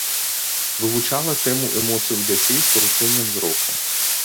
Вывучала тэму эмоцый у дзяцей з парушэннем зроку.